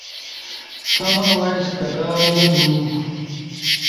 کامن وائس کدا لدو؟